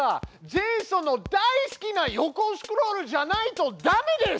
ジェイソンの大好きな横スクロールじゃないとダメです！